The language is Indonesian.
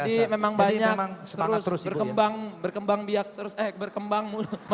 jadi memang banyak terus berkembang biak eh berkembang terus adik adik saya terus berkembang